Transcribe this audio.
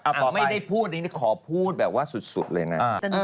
ผมไม่ได้พูดอันนี้ขอพูดแบบว่าสุดเลยนะ